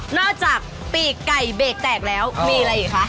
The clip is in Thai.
จากปีกไก่เบรกแตกแล้วมีอะไรอีกคะ